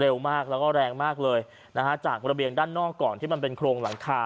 มากแล้วก็แรงมากเลยนะฮะจากระเบียงด้านนอกก่อนที่มันเป็นโครงหลังคา